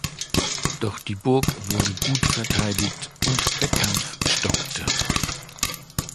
Doch die Burg wurde gut verteidigt, und der Kampf stockte.